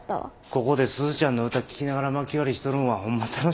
ここで鈴ちゃんの歌聴きながらまき割りしとるんはホンマ楽しいんだす。